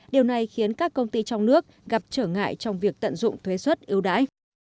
điều này khiến các công ty trong nước gặp trở ngại trong việc tận dụng thuế xuất yếu đáy